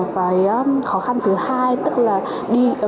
và khó khăn thứ hai tức là đi